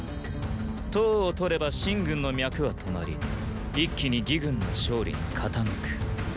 騰を殺れば秦軍の脈は止まり一気に魏軍の勝利に傾く。